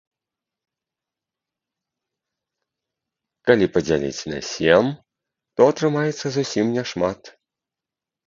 Калі падзяліць на сем, то атрымаецца зусім няшмат.